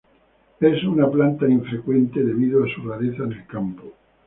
Es una planta infrecuente debido a su rareza en el campo.